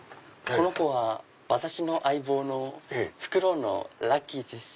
この子は私の相棒のフクロウのラッキーです。